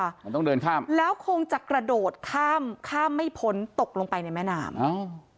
มันต้องเดินข้ามแล้วคงจะกระโดดข้ามข้ามไม่พ้นตกลงไปในแม่น้ำอ้าว